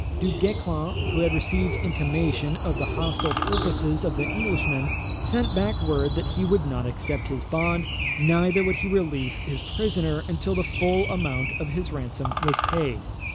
Du Guesclin, who had received intimation of the hostile purposes of the Englishman, sent back word that he would not accept his bond, neither would he release his prisoner until the full amount of his ransom was paid.